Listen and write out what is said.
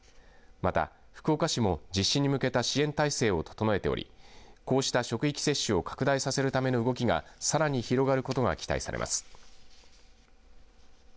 また、福岡市も実施に向けた支援体制を整えておりこうした職域接種を拡大させるための動きがさらに広がることが期待されます。